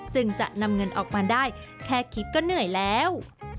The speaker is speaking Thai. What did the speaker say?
จึงจะนำเงินออกมาได้แค่คิดก็เหนื่อยแล้ว